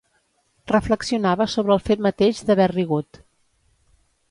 Reflexionava sobre el fet mateix d’haver rigut.